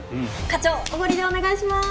課長おごりでお願いしまーす！